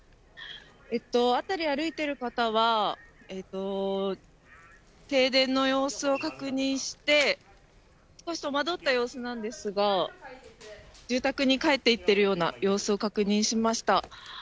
辺りを歩いている方は停電の様子を確認して少し戸惑った様子ですが住宅に帰って行っているような様子を確認しました。